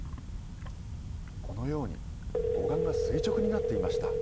このように、護岸が垂直になっていました。